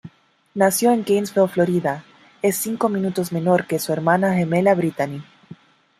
Nació en Gainesville, Florida, es cinco minutos menor que su hermana gemela Brittany.